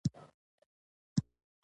ته به وایې چې هېڅکله نه و راغلي.